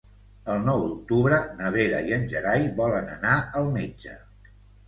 El nou d'octubre na Vera i en Gerai volen anar al metge.